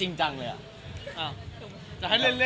พี่เชื่อ